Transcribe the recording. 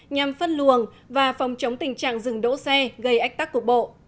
nhằm phất luồng và phòng chống tình trạng rừng đỗ xe gây ách tắc của bộ